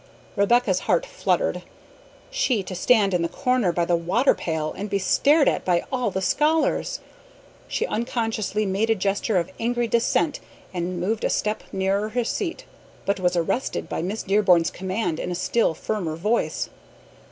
Rebecca's heart fluttered. She to stand in the corner by the water pail and be stared at by all the scholars! She unconsciously made a gesture of angry dissent and moved a step nearer her seat, but was arrested by Miss Dearborn's command in a still firmer voice.